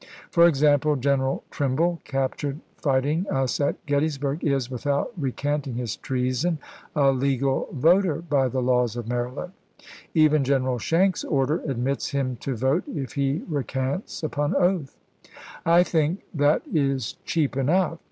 For example. Gen eral Trimble, captured fighting us at Gettysburg, is, without recanting his treason, a legal voter by the laws of Maryland. Even General Schenck's order admits him to vote, if he recants upon oath. I think that is cheap enough.